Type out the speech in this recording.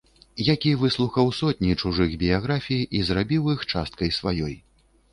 Які выслухаў сотні чужых біяграфій і зрабіў іх часткай сваёй.